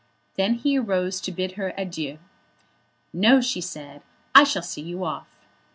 Then he arose to bid her adieu. "No," she said; "I shall see you off."